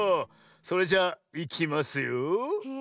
それじゃあいきますよ。